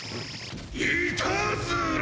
・いたずら！